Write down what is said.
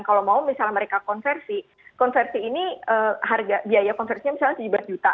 kalau mau misalnya mereka konversi konversi ini harga biaya konversinya misalnya tujuh belas juta